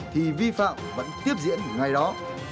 thì vi phạm vẫn tiếp diễn ngày đó